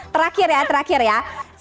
terakhir ya terakhir ya